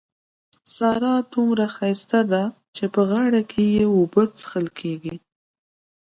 سارا دومره ښايسته ده چې په غاړه کې يې اوبه څښل کېږي.